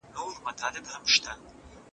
عادتونه باید بدل کړو.